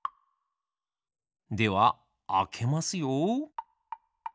ではあけますよ。